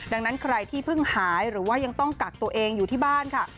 ดังนั้นใครที่เพิ่งหายหรือว่ายังต้องกักตัวเองอยู่ที่บ้านค่ะ